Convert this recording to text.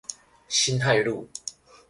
辛亥路